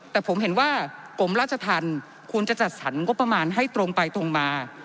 แต่ผมเห็นว่ากรมราชธรรมควรจะจัดสรรงบประมาณให้ตรงไปตรงมา